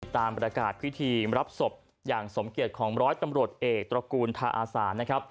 ตามประกาศพิธีรับศพอย่างสมเกียจของร้อยตำรวจเอกตระกูลทาอาสานนะครับ